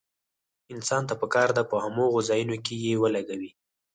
انسان ته پکار ده په هماغو ځايونو کې يې ولګوي.